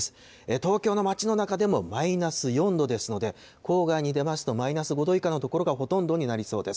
東京の街の中でもマイナス４度ですので、郊外に出ますと、マイナス５度以下の所がほとんどになりそうです。